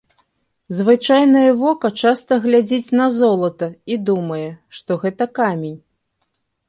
Звычайнае вока часта глядзіць на золата і думае, што гэта камень.